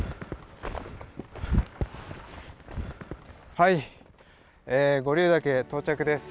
はい五竜岳到着です。